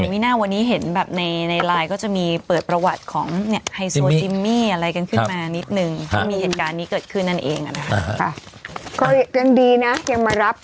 เพราะว่าน่าจะเป็นคนในสังคม